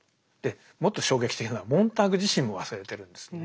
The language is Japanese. もっと衝撃的なのはモンターグ自身も忘れてるんですね。